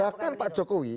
bahkan pak jokowi